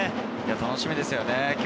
楽しみですよね。